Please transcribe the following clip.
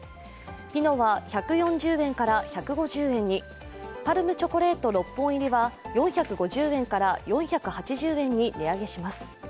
ピノは１４０円から１５０円に、ＰＡＲＭチョコレート６本入りは４５０円から４８０円に値上げします。